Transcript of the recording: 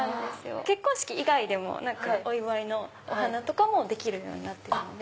結婚式以外でもお祝いのお花もできるようになってるので。